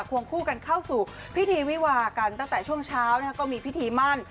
วงคู่กันเข้าสู่พิธีวิวากันตั้งแต่ช่วงเช้าก็มีพิธีมั่น